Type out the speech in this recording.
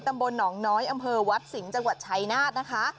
ตำบลหนองน้อยอำเภอวัดสิงห์จังหวัดชายนาฏนะคะ